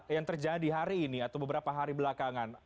yang terjadi hari ini atau beberapa hari belakangan